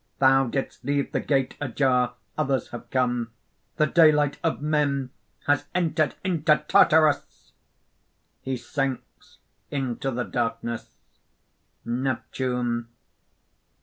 "Thou didst leave the gate ajar; others have come. The daylight of men has entered into Tartarus!" (He sinks into the darkness.) NEPTUNE.